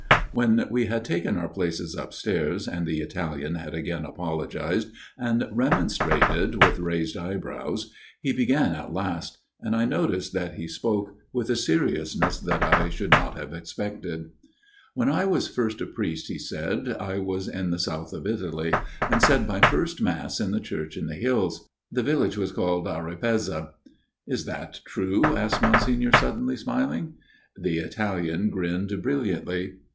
When we had taken our places upstairs, and the Italian had again apologized and remonstrated with raised eyebrows, he began at last ; and I noticed that he spoke with a seriousness that I should not have expected. " When I was first a priest," he said, " I was in the south of Italy, and said my first Mass in a church in the hills. The village was called Arripezza." 139 140 A MIRROR OF SHALOTT " Is that true ?" asked Monsignor suddenly, smiling. The Italian grinned brilliantly.